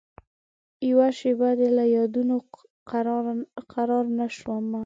یوه شېبه دي له یادونوپه قرارنه شومه